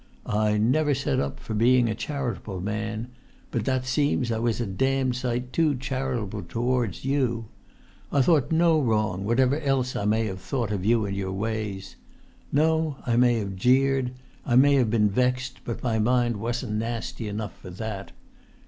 I never set up for being a charitable man; but that seems I was a damned sight too charitable towards you. I thought no wrong, whatever else I may have thought of you and your ways. No; I may have jeered, I may have been vexed, but my mind wasn't nasty enough for that.